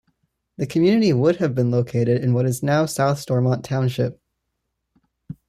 The community would have been located in what is now South Stormont township.